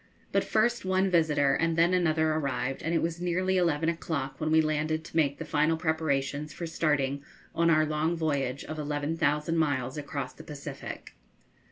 But first one visitor and then another arrived, and it was nearly eleven o'clock when we landed to make the final preparations for starting on our long voyage of eleven thousand miles across the Pacific.